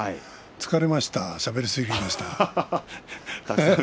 疲れました、しゃべりすぎました。